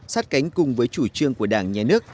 sát cánh cùng với chủ trương của đảng nhà nước